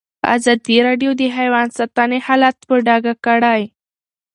ازادي راډیو د حیوان ساتنه حالت په ډاګه کړی.